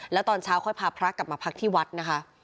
แล้วตอนเช้าค่อยพาพระกลับมาพักที่วัดนะคะ